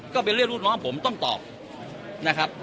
ก็เป็นเรื่องลูกน้องผมต้องตอบ